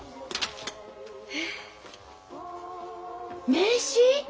名刺！？